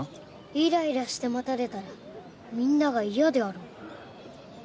イライラして待たれたらみんなが嫌であろう。